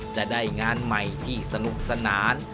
จะได้งานใหม่ที่สนุกสนาน